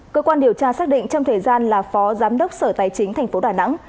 cơ quan điều tra xác định trong thời gian là phó giám đốc sở tài chính tp đà nẵng